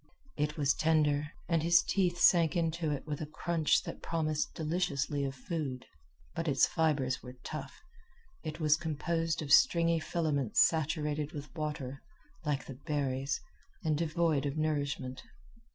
It was tender, and his teeth sank into it with a crunch that promised deliciously of food. But its fibers were tough. It was composed of stringy filaments saturated with water, like the berries, and devoid of nourishment.